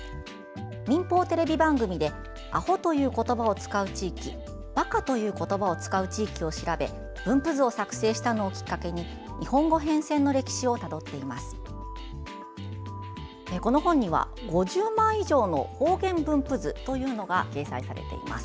民放テレビ番組で「アホ」という言葉を使う地域「バカ」という言葉を使う地域を調べ分布図を作成したのをきっかけに日本語変遷の歴史をたどっています。